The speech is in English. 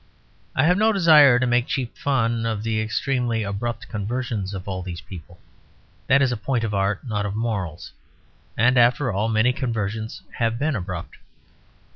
I have no desire to make cheap fun of the extremely abrupt conversions of all these people; that is a point of art, not of morals; and, after all, many conversions have been abrupt.